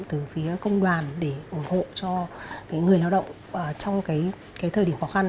từ phía công đoàn để ủng hộ cho người lao động trong thời điểm khó khăn